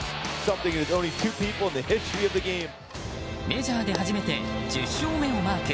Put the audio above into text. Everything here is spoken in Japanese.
メジャーで初めて１０勝目をマーク。